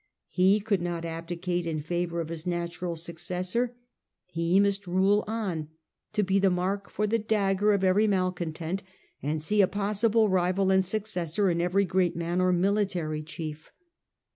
He could not abdicate in favour of his natural successor; he must rule on, to be the mark for the dagger of every malcon tent and see a possible rival and successor in every great man or military chief.